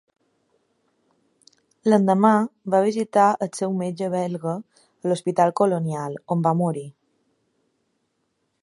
L'endemà, va visitar el seu metge belga a l'hospital colonial, on va morir.